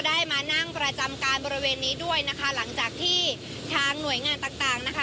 ได้มานั่งประจำการบริเวณนี้ด้วยนะคะหลังจากที่ทางหน่วยงานต่างต่างนะคะ